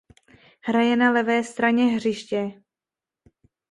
Hraje na levé straně hřiště.